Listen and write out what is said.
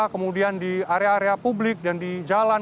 kemudian di area area publik dan di jalan